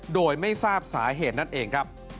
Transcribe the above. โดยไม่ทราบสาเหตุนั่นเองครับ